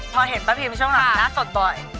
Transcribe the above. พอเห็นป้าพิมช่วงหลังหน้าสดบ่อย